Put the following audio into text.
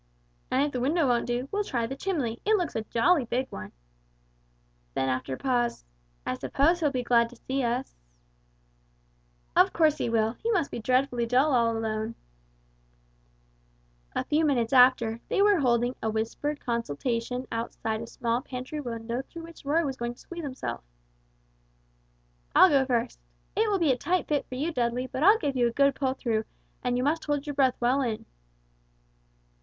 "And if the window won't do, we'll try the chimney, it looks a jolly big one." Then after a pause "I suppose he'll be glad to see us?" "Of course he will. He must be dreadfully dull all alone." A few minutes after, they were holding a whispered consultation outside a small pantry window through which Roy was going to squeeze himself. "I'll go first. It will be a tight fit for you, Dudley, but I'll give you a good pull through, and you must hold your breath well in."